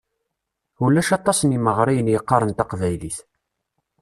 Ulac aṭas n yimeɣriyen yeqqaren taqbaylit.